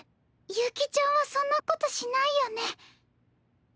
悠希ちゃんはそんなことしないよね？